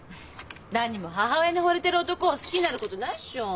なにも母親にほれてる男を好きになることないっしょ？